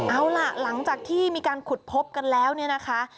เอาล่ะหลังจากที่มีการขุดพบกันแล้วเนี่ยนะคะ